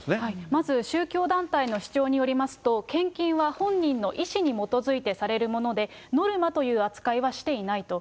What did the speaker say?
まず宗教団体の主張によりますと、献金は本人の意思に基づいてされるもので、ノルマという扱いはしていないと。